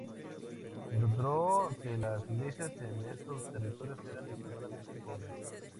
Encontró que las iglesias en esos territorios eran extremadamente pobres.